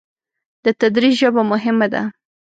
د تدریس ژبه مهمه ده.